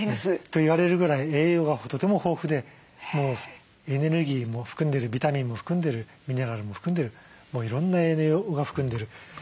と言われるぐらい栄養がとても豊富でエネルギーも含んでるビタミンも含んでるミネラルも含んでるもういろんな栄養が含んでる。